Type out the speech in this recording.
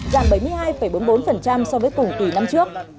giảm bảy mươi hai bốn mươi bốn so với cùng kỳ năm trước